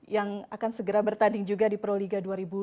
yang akan segera bertanding juga di proliga dua ribu dua puluh